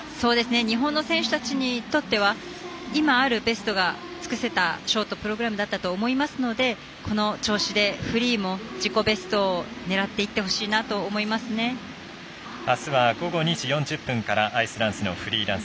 日本の選手たちにとっては今あるベストが尽くせたショートプログラムだったと思いますのでこの調子でフリーも自己ベストを狙ってあすは午後２時４０分からアイスダンスのフリーダンス。